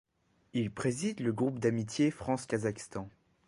Il préside le Groupe d'amitié France-Kazakhstan.